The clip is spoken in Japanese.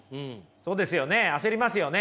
そうですよね焦りますよね。